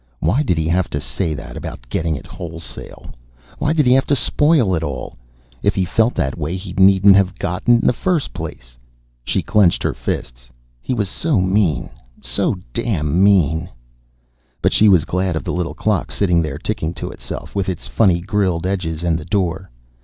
Why did he have to say that, about getting it wholesale? Why did he have to spoil it all? If he felt that way he needn't have got it in the first place. She clenched her fists. He was so mean, so damn mean. But she was glad of the little clock sitting there ticking to itself, with its funny grilled edges and the door.